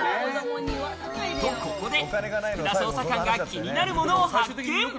と、ここで福田捜査官が気になるものを発見。